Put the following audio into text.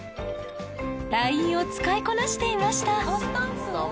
ＬＩＮＥを使いこなしていました